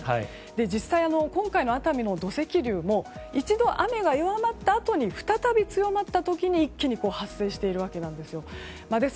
実際、今回の熱海の土石流も一度、雨が弱まったあとに再び強まった時に一気に発生しているわけなんです。